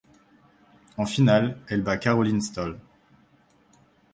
En finale, elle bat Caroline Stoll.